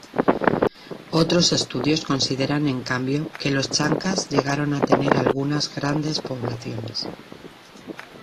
Otros estudios consideran, en cambio, que los Chancas llegaron a tener algunas grandes poblaciones.